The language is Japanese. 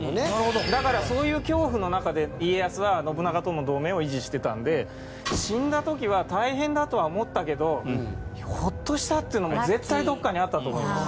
だからそういう恐怖の中で家康は信長との同盟を維持してたんで死んだ時は大変だとは思ったけどほっとしたっていうのが絶対どこかにあったと思います。